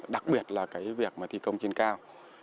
đặc biệt là việc thi công trên cao